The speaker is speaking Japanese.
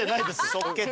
即決。